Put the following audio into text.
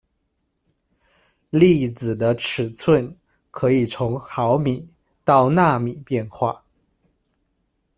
粒子的尺寸可以从毫米到纳米变化。